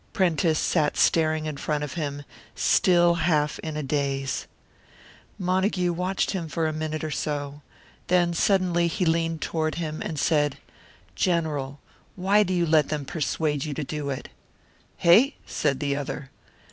Prentice sat staring in front of him, still half in a daze. Montague watched him for a minute or so. Then suddenly he leaned toward him, and said, "General, why do you let them persuade you to do it?" "Hey?" said the other.